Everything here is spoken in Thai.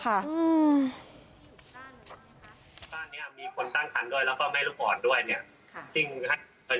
บ้านนี้มีคนตั้งครรภ์ด้วยแล้วก็ไม่รู้อ่อนด้วย